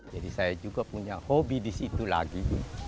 jadi saya juga punya hobi di situ lagi